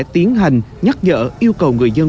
tiến hành nhắc nhở yêu cầu người dân